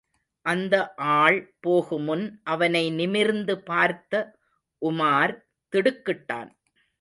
அந்த ஆள் போகுமுன் அவனை நிமிர்ந்து பார்த்த உமார் திடுக்கிட்டான்.